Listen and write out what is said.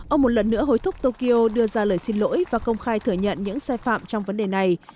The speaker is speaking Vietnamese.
ông một lần nữa hối thúc tokyo đưa ra lời xin lỗi và công khai thừa nhận những sai phạm trong vấn đề này